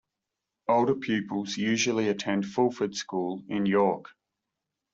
Older pupils usually attend Fulford School in York.